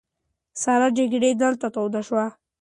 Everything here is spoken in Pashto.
سړه جګړه دلته توده شوه.